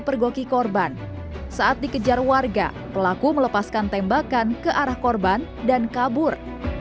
pergoki korban saat dikejar warga pelaku melepaskan tembakan ke arah korban dan kabur